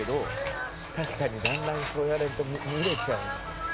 「確かにだんだんそう言われると見れちゃう」